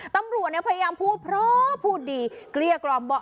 ตำรวจเนี่ยพยายามพูดเพราะพูดดีเกลี้ยกล่อมบอก